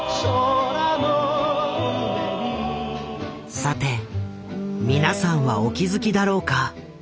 さてみなさんはお気付きだろうか。